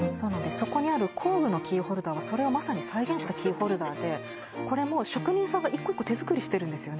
そこにある工具のキーホルダーはそれをまさに再現したキーホルダーでこれも職人さんが一個一個手作りしてるんですよね